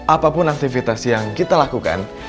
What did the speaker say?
apapun aktivitas yang kita lakukan